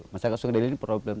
masyarakat sungai ini problem